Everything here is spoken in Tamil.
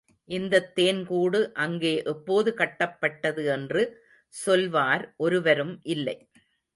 இந்தத் தேன் கூடு, அங்கே எப்போது கட்டப்பட்டது என்று சொல்வார் ஒருவரும் இல்லை.